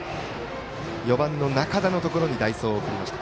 ４番の仲田のところに代走を送りました。